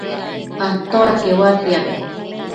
atoda queuatiad?